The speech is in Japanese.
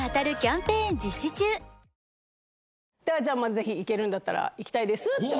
ぜひ、行けるんだったら行きたいですって。